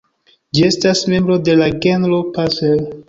Ĝi estas membro de la genro "Passer".